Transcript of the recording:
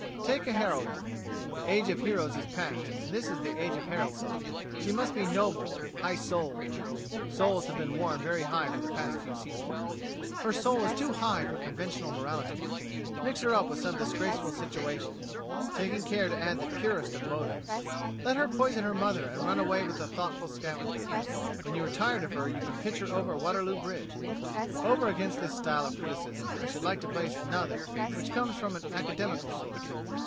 Take a heroine. The age of heroes is past, and this is the age of heroines. She must be noble, high souled. (Souls have been worn very high for the past few seasons.) Her soul is too high for conventional morality. Mix her up with some disgraceful situations, taking care to add the purest of motives. Let her poison her mother and run away with a thoughtful scavenger. When you are tired of her you can pitch her over Waterloo Bridge."[33:A] Over against this style of criticism I should like to place another which comes from an academical source.